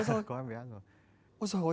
có em bé rồi